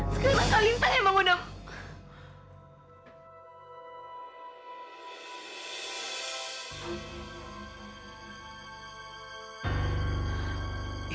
sekarang kak lintang yang mau nangis